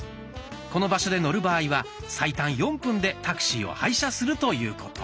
この場所で乗る場合は最短４分でタクシーを配車するということ。